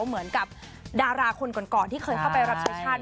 เหมือนกับดาราคนก่อนที่เคยเข้าไปรับใช้ชาติ